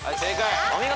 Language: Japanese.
お見事。